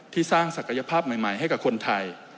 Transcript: สร้างศักยภาพใหม่ให้กับคนไทย